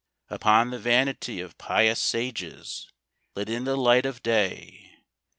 Upon the vanity of pious sages Let in the light of day.